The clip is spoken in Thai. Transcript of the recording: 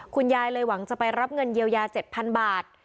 คุณยายเลยหวังจะไปรับเงินเยียวยา๗๐๐บาท